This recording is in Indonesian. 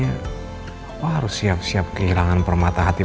wah harus siap siap kehilangan permata hati